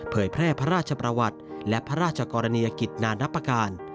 แพร่พระราชประวัติและพระราชกรณียกิจนานรับประการ